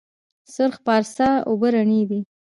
سرخ پارسا اوبه رڼې دي؟